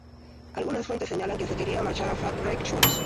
Algunas fuentes señalan que se quería marchar a Fat Wreck Chords.